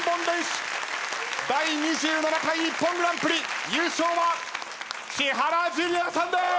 第２７回『ＩＰＰＯＮグランプリ』優勝は千原ジュニアさんです！